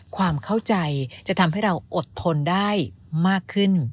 ความเข้าใจจะทำให้เราอดทนได้มากขึ้น